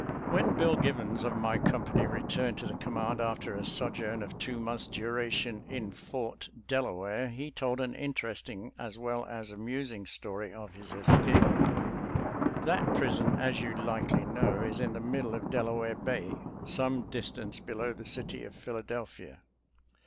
When Bill Givens of my company, returned to the command after a sojourn of two months' duration in Fort Dela ware, he told an interesting as well as amusing story of this escape. That; prison, asj you likely know, is: in the middle of Delaware Bay, some distance below the city of Philadelphia.